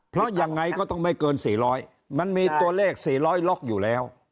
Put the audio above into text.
เพราะยังไงก็ต้องไม่เกิน๔๐๐มันมีตัวเลข๔๐๐ล็อกอยู่แล้ว